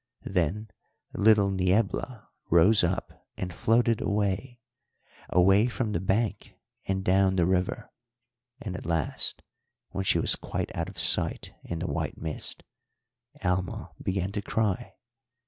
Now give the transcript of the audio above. Then little Niebla rose up and floated away, away from the bank and down the river, and at last, when she was quite out of sight in the white mist, Alma began to cry.